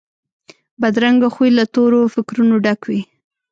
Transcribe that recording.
بدرنګه خوی له تورو فکرونو ډک وي